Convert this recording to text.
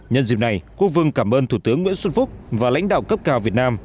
nhân dịp này quốc vương cảm ơn thủ tướng nguyễn xuân phúc và lãnh đạo cấp cao việt nam